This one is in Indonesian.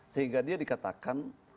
sehingga dia dikatakan